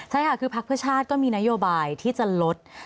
ใช่ค่ะคือภาคประชาติก็มีนโยบายที่จะลด